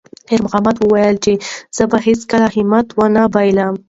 خیر محمد وویل چې زه به هیڅکله هم همت ونه بایللم.